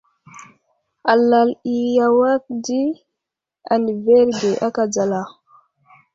Alal i awak di adəverge aka dzala.